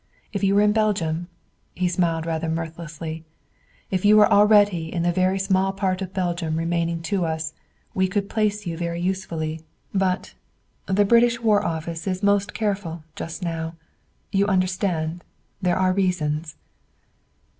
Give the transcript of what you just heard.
If you were in Belgium" he smiled rather mirthlessly "if you were already in the very small part of Belgium remaining to us, we could place you very usefully. But the British War Office is most careful, just now. You understand there are reasons."